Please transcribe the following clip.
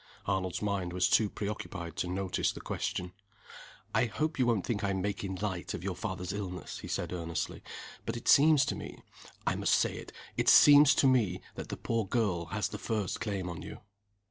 Arnold's mind was too preoccupied to notice the question. "I hope you won't think I'm making light of your father's illness," he said, earnestly. "But it seems to me I must say it it seems to me that the poor girl has the first claim on you."